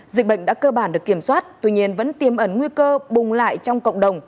dịch bệnh đã cơ bản được kiểm soát tuy nhiên vẫn tiêm ẩn nguy cơ bùng lại trong cộng đồng